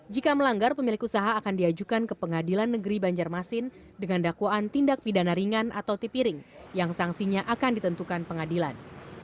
jika melanggar pemilik usaha akan diajukan ke pengadilan negeri banjarmasin dengan dakwaan tindak pidana ringan atau tipiring yang sanksinya akan ditentukan pengadilan